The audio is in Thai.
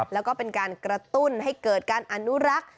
แล้วก็เป็นการกระตุ้นให้เกิดการอนุรักษ์